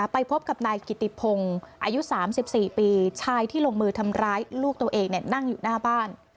ไปพบกับนายกิติพงศ์อายุ๓๔ปีชายที่ลงมือทำร้ายลูกตัวเองนั่งอยู่หน้าบ้าน